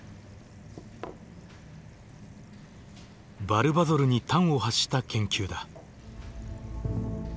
ヴァルヴァゾルに端を発した研究だ。